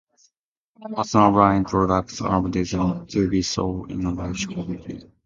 Personal lines products are designed to be sold in large quantities.